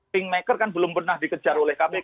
kingmaker kan belum pernah dikejar oleh kpk